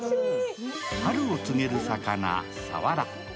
春を告げる魚、さわら。